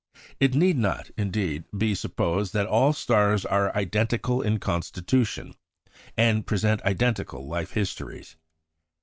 It need not, indeed, be supposed that all stars are identical in constitution, and present identical life histories.